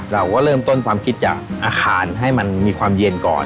เราก็เริ่มต้นความคิดจากอาคารให้มันมีความเย็นก่อน